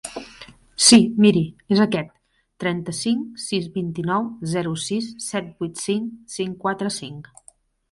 Sí, miri, és aquest: tres cinc sis vuit nou zero sis set vuit cinc cinc quatre cinc.